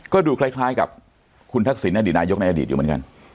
ก็ดูคล้ายกับคุณทักษิณอดีตนายกในอดีตอยู่เหมือนกัน